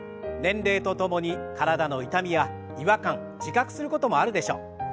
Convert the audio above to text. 年齢とともに体の痛みや違和感自覚することもあるでしょう。